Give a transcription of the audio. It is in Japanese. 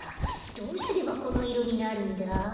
どうすればこのいろになるんだ？